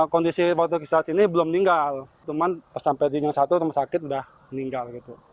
kondisi waktu saat ini belum meninggal cuman pas sampai di tingkat satu rumah sakit sudah meninggal